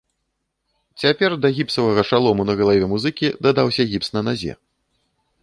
Цяпер да гіпсавага шалому на галаве музыкі дадаўся гіпс на назе.